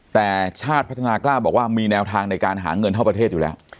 แต่ชาติพัฒนากล้าบอกว่ามีแนวทางในการหาเงินเท่าประเทศอยู่แล้ว